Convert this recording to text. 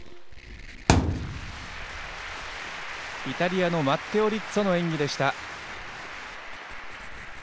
イタリアのマッテオ・リッツォの演技でした。